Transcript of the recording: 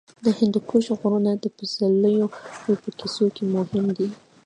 د هندوکش غرونه د سپرليو په کیسو کې مهم دي.